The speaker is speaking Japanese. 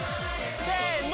せの！